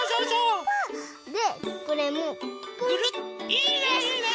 いいねいいね！